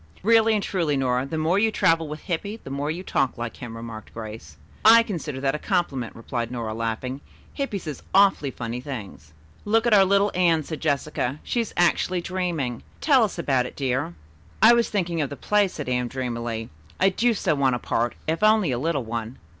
"Really and truly, Nora, the more you travel with Hippy, the more you talk like him," remarked Grace. "I consider that a compliment," replied Nora, laughing. "Hippy says awfully funny things." "Look at our little Anne," said Jessica. "She is actually dreaming. Tell us about it, dear." "I was thinking of the play," said Anne dreamily. "I do so want a part, if only a little one."